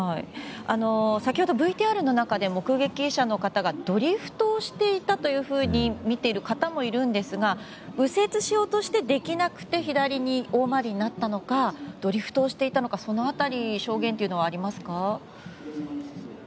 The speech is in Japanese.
先ほどＶＴＲの中で目撃者の方がドリフトをしていたと見ている方もいるんですが右折しようとして、できなくて左に大回りになったのかドリフトをしていたのかその辺りの証言はありますか？